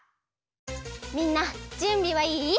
みんなじゅんびはいい？